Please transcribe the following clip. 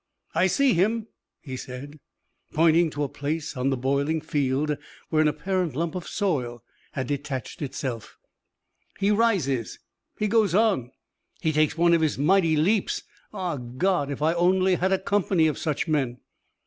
"I see him," he said, pointing to a place on the boiling field where an apparent lump of soil had detached itself. "He rises! He goes on! He takes one of his mighty leaps! Ah, God, if I only had a company of such men!"